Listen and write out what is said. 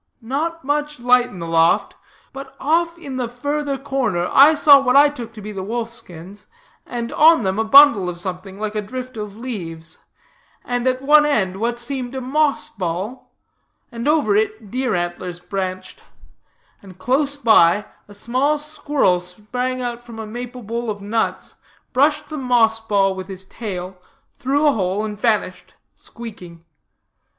Not much light in the loft; but off, in the further corner, I saw what I took to be the wolf skins, and on them a bundle of something, like a drift of leaves; and at one end, what seemed a moss ball; and over it, deer antlers branched; and close by, a small squirrel sprang out from a maple bowl of nuts, brushed the moss ball with his tail, through a hole, and vanished, squeaking.